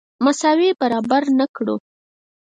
مساوي برابر نه کړو.